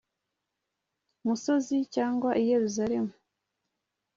musozi cyangwa i Yerusalemu